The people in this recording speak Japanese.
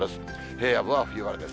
平野部は冬晴れです。